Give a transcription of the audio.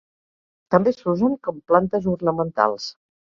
També s'usen com plantes ornamentals.